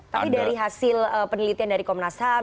tapi dari hasil penelitian dari komnas ham